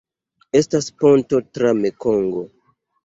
Estas ponto tra Mekongo.